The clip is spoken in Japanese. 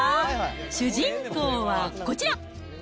主人公はこちら。